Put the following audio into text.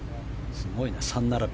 すごいな、３並び。